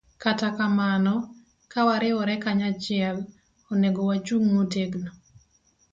Kata kamano, ka wariwore kanyachiel, onego wachung ' motegno